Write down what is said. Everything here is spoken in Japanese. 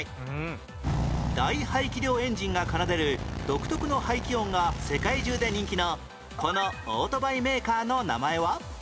大排気量エンジンが奏でる独特の排気音が世界中で人気のこのオートバイメーカーの名前は？